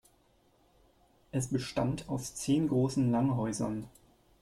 Es bestand aus zehn großen Langhäusern.